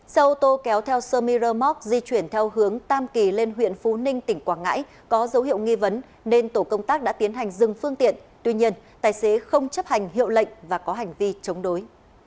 xe ô tô kéo theo sơ mi rơ móc di chuyển theo hướng tam kỳ lên huyện phú ninh tỉnh quảng ngãi có dấu hiệu nghi vấn nên tổ công tác đã tiến hành dừng phương tiện tuy nhiên tài xế không chấp hành hiệu lệnh và có hành vi chống đối